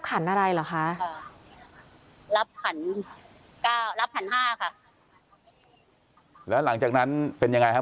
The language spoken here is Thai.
ขันอะไรเหรอคะรับขัน๕ค่ะแล้วหลังจากนั้นเป็นยังไงครับ